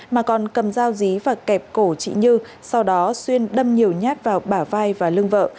mà còn cầm dao dí và kẹp cổ chị như sau đó xuyên đâm nhiều nhát vào bà vai và lưng vợ